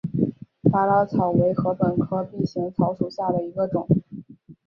巴拉草为禾本科臂形草属下的一个种。